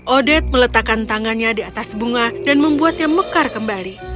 odet meletakkan tangannya di atas bunga dan membuatnya mekar kembali